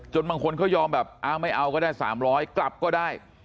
บางคนเขายอมแบบอ้าวไม่เอาก็ได้๓๐๐กลับก็ได้